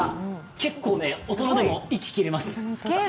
結構大人でも息きれます。